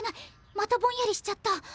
またぼんやりしちゃった！